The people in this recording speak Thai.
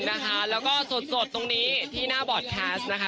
แล้วก็สดสดตรงนี้ที่หน้าบอร์ดแคสต์นะคะ